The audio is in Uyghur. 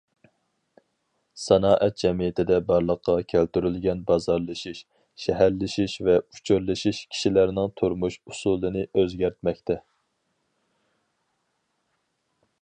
سانائەت جەمئىيىتىدە بارلىققا كەلتۈرۈلگەن بازارلىشىش، شەھەرلىشىش ۋە ئۇچۇرلىشىش كىشىلەرنىڭ تۇرمۇش ئۇسۇلىنى ئۆزگەرتمەكتە.